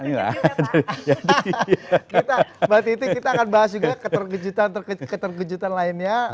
mbak titi kita akan bahas juga keterkejutan lainnya